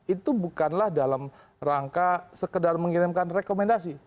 itu bukanlah dalam rangka sekedar mengirimkan rekomendasi